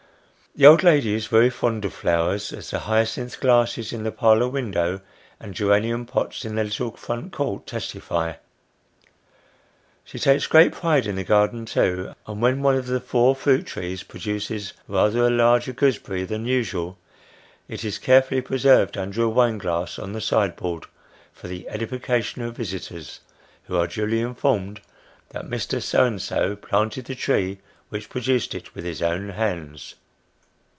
The old lady is very fond of flowers, as the hyacinth glasses in the parlour window, and geranium pots in the little front court, testify. She takes great pride in the garden too: and when one of the four fruit trees produces rather a larger gooseberry than usual, it is carefully preserved under a wine glass on the sideboard, for the edification of visitors, who are duly informed that Mr. So and so planted the tree which produced it, with his own hands.